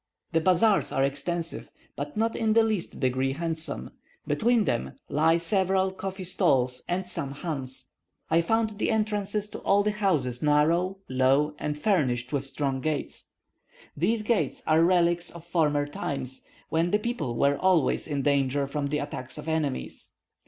The bazaars are extensive, but not in the least degree handsome; between them lie several coffee stalls and some chans. I found the entrances to all the houses narrow, low, and furnished with strong gates. These gates are relics of former times, when the people were always in danger from the attacks of enemies.